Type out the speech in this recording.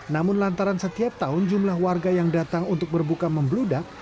namun lantaran setiap tahun jumlah warga yang datang untuk berbuka membludak